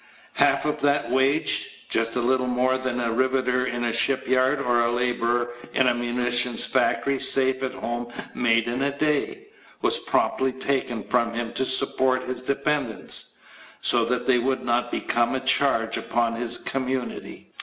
Half of that wage (just a little more than a riveter in a shipyard or a laborer in a munitions factory safe at home made in a day) was promptly taken from him to support his dependents, so that they would not become a charge upon his community.